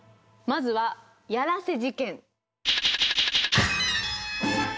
まずはやらせ事件。